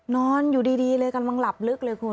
นอนอยู่ดีเลยกำลังหลับลึกเลยคุณ